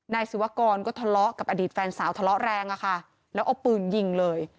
ศิวากรก็ทะเลาะกับอดีตแฟนสาวทะเลาะแรงอะค่ะแล้วเอาปืนยิงเลย